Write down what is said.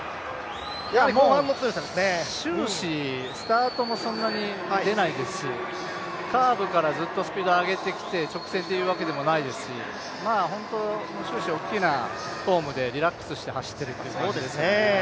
終始、スタートもそんなに出ないですし、カーブからずっとスピードを上げてきて直線というわけでもないですし本当に終始大きなフォームでリラックスして走ってる感じです。